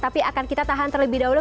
tapi akan kita tahan terlebih dahulu